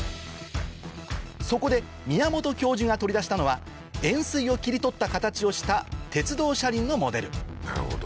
そこで宮本教授が取り出したのは円すいを切り取った形をした鉄道車輪のモデル